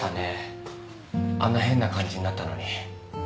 あんな変な感じになったのに。